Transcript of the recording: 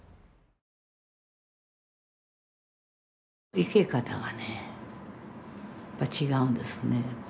生け方がねやっぱ違うんですね。